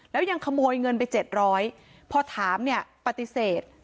แล้วยังขโมยเงินไปเจ็ดร้อยพอถามเนี่ยปฏิเสธ